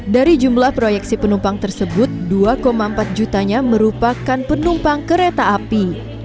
dari jumlah proyeksi penumpang tersebut dua empat jutanya merupakan penumpang kereta api